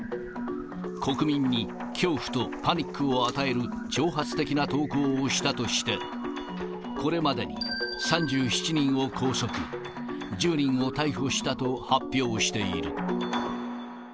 国民に恐怖とパニックを与える挑発的な投稿をしたとして、これまでに３７人を拘束、１０人を逮捕したと発表している。